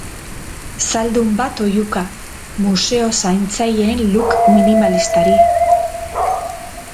Zaldun bat oihuka, museo-zaintzaileen look minimalistari.